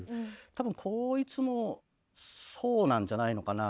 多分こいつもそうなんじゃないのかな。